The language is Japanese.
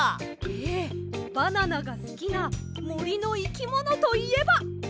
ええバナナがすきなもりのいきものといえば。